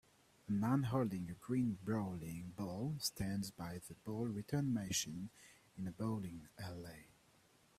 A man holding a green bowling ball stands by the ball return machine in a bowling alley.